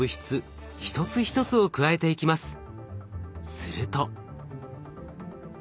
すると。